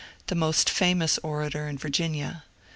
the most famous orator in Vir ginia.